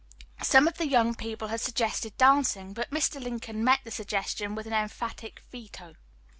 Some of the young people had suggested dancing, but Mr. Lincoln met the suggestion with an emphatic veto.